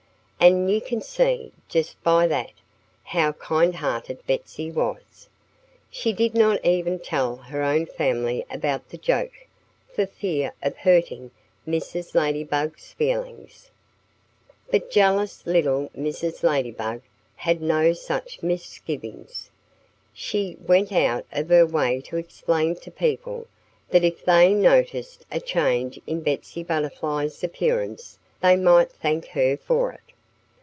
And you can see, just by that, how kind hearted Betsy was. She did not even tell her own family about the joke, for fear of hurting Mrs. Ladybug's feelings. But jealous little Mrs. Ladybug had no such misgivings. She went out of her way to explain to people that if they noticed a change in Betsy Butterfly's appearance, they might thank her for it....